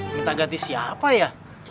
kita ganti siapa ya